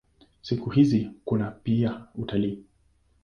Siku hizi kuna pia utalii.